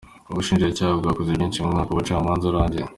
Ubushinjacyaha bwakoze byinshi mu mwaka w’Ubucamanza urangiye.